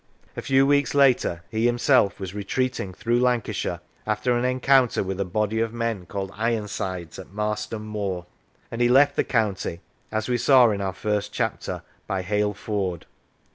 A few weeks later, he himself was retreating through Lancashire, after an encounter with a body of men called Ironsides, at Marston Moor, and he left the county, as we saw in our first chapter, by Hale ford.